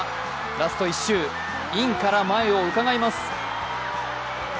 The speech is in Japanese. ラスト１周インから前をうかがいます。